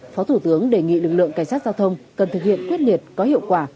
phó thủ tướng đề nghị lực lượng cảnh sát giao thông cần thực hiện quyết liệt có hiệu quả